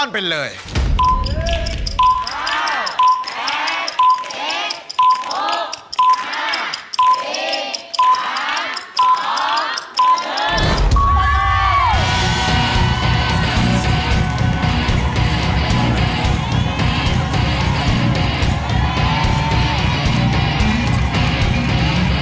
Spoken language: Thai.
หมวกปีกดีกว่าหมวกปีกดีกว่า